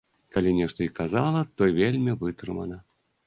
Калі нешта і казала, то вельмі вытрымана.